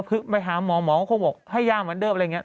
คือไปหาหมอหมอก็คงบอกให้ย่าเหมือนเดิมอะไรอย่างนี้